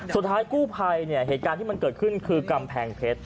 สุดท้ายกู้ภัยเนี่ยเหตุการณ์ที่มันเกิดขึ้นคือกำแพงเพชร